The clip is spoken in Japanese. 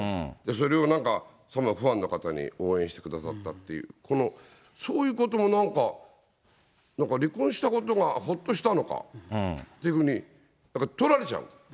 それをなんか、ファンの方に応援してくださったっていう、この、そういうこともなんか、なんか離婚したことがほっとしたのかっていうふうに取られちゃう。